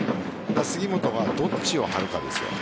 杉本がどっちを張るかですよ。